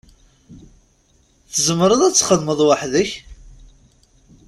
Tzemreḍ ad txedmeḍ weḥd-k?